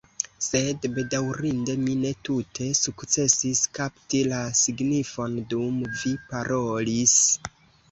Sed, bedaŭrinde mi ne tute sukcesis kapti la signifon dum vi parolis."